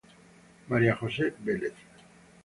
María José Vélez